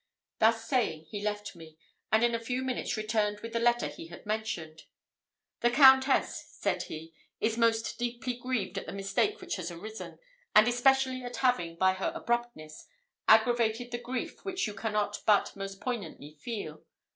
Thus saying, he left me; and in a few minutes returned with the letter he had mentioned. "The Countess," said he, "is most deeply grieved at the mistake which has arisen, and especially at having, by her abruptness, aggravated the grief which you cannot but most poignantly feel.